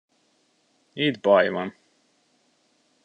Itt baj van.